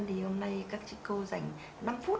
thì hôm nay các cô dành năm phút